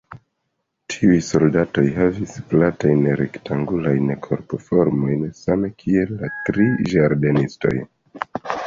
Tiuj soldatoj havis platajn rektangulajn korpformojn same kiel la tri ĝardenistoj.